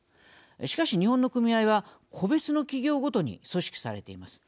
しかし、日本の組合は個別の企業ごとに組織されています。